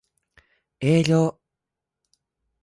営業